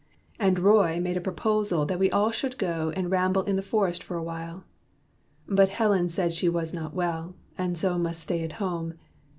And Roy Made a proposal that we all should go And ramble in the forest for a while. But Helen said she was not well and so Must stay at home.